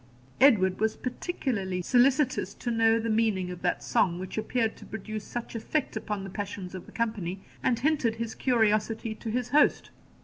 Edward was particularly solicitous to know the meaning of that song which appeared to produce such effect upon the passions of the company, and hinted his curiosity to his host.